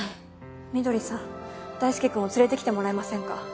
翠さん大輔君を連れてきてもらえませんか？